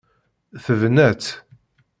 Tebna-tt.